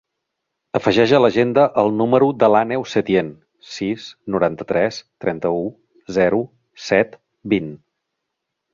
Afegeix a l'agenda el número de l'Àneu Setien: sis, noranta-tres, trenta-u, zero, set, vint.